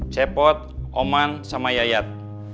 sepot oman sama yayat